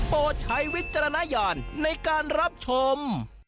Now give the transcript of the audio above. ใช้วิจารณญาณในการรับชม